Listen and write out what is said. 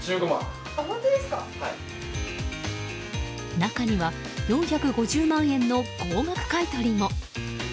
中には４５０万円の高額買い取りも。